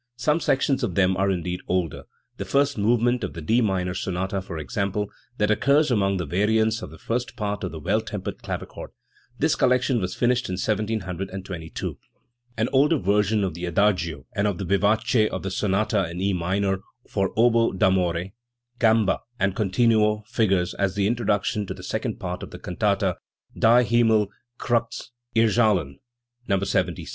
Some sections of them are indeed older, the first movement of the D minor sonata, for example, that occurs among the variants of the first part of the Well tempered Clavichord. This collection was finished in 1722. An older version of the adagio and of the vivace of the sonata in E minor, for oboe d'amore, gamba, and continuo, figures as the introduction to the second part of the can tata Die Himmel erzdhkn (No.